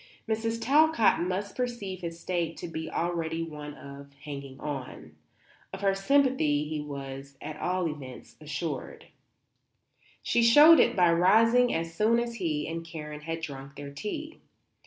Mrs. Talcott must perceive his state to be already one of "hanging on." Of her sympathy he was, at all events, assured. She showed it by rising as soon as he and Karen had drunk their tea.